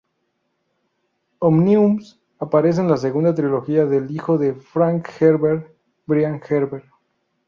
Omnius aparece en la segunda trilogía del hijo de Frank Herbert, Brian Herbert.